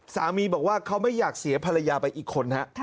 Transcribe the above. สามีบอกว่าเขาไม่อยากเสียภรรยาไปอีกคนฮะ